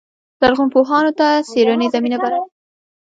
لرغونپوهانو ته څېړنې زمینه برابره شي.